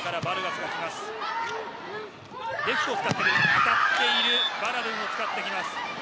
当たっているバラドゥンを使ってきます。